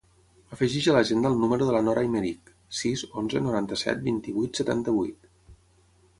Afegeix a l'agenda el número de la Nora Aymerich: sis, onze, noranta-set, vint-i-vuit, setanta-vuit.